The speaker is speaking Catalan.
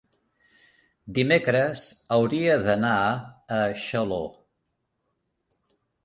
Dimecres hauria d'anar a Xaló.